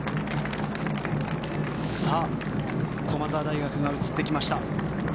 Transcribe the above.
駒澤大学が映ってきました。